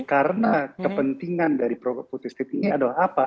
karena kepentingan dari program putus state ini adalah apa